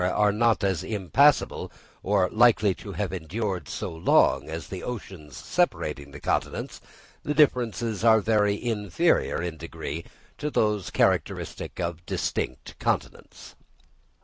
are not as impassable, or likely to have endured so long, as the oceans separating continents, the differences are very inferior in degree to those characteristic of distinct continents.